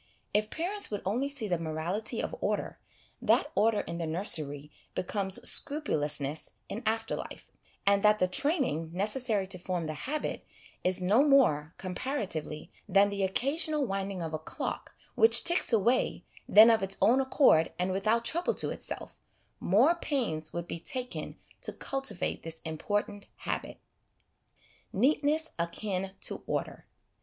If parents would only see the morality of order, that order in the nursery becomes scrupulousness in after life, and that the training necessary to form the habit is no more, comparatively, than the occasional winding of a clock, which ticks away then of its own accord and without trouble to itself, more pains would be taken to cultivate this important habit. Neatness Akin to Order.